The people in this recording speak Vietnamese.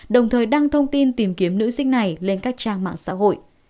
đồng thời đăng thông tin tìm kiếm nữ sinh này lên các trang mạng xã hội